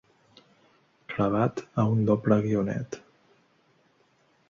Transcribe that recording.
Clavat a un doble guionet.